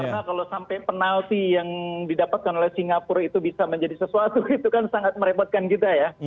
karena kalau sampai penalti yang didapatkan oleh singapura itu bisa menjadi sesuatu itu kan sangat merepotkan kita ya